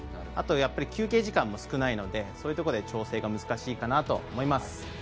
あと休憩時間も少ないのでそういうところで調整が難しいのかなと思います。